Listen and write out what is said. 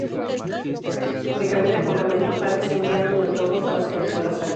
De camino al campamento, Hades envía a un minotauro para secuestrar a Sally.